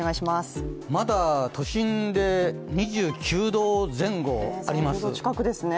まだ都心で２９度前後あります。